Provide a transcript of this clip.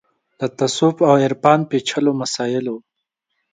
د تصوف او عرفان پېچلو مسایلو